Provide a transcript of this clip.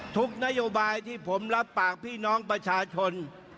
นโยบายที่ผมรับปากพี่น้องประชาชน